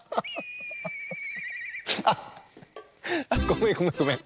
あっあっごめんごめんごめん。